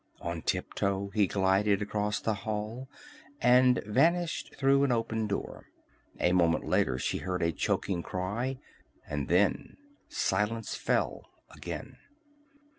On tiptoe he glided across the hall and vanished through an open door. A moment later she heard a choking cry, and then silence fell again.